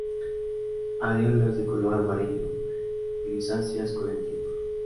Areolas de color amarillo, grisáceas con el tiempo.